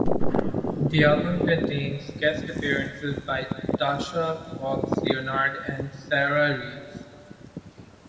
The album contains guest appearances by Tasha Cobbs Leonard and Sarah Reeves.